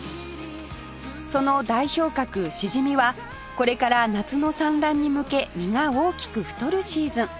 その代表格しじみはこれから夏の産卵に向け身が大きく太るシーズン